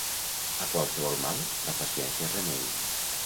A qualsevol mal, la paciència és remei.